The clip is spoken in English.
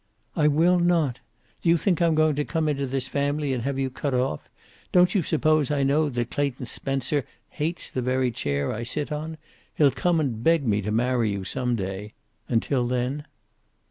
"I will not. Do you think I'm going to come into this family and have you cut off? Don't you suppose I know that Clayton Spencer hates the very chair I sit on? He'll come and beg me to marry you, some day. Until then?"